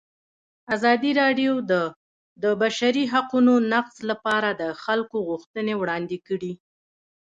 ازادي راډیو د د بشري حقونو نقض لپاره د خلکو غوښتنې وړاندې کړي.